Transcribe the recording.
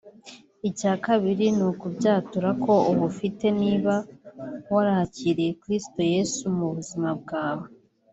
icya kabiri ni ukubyatura ko ubufite niba warakiriye Kristo Yesu mu buzima bwawe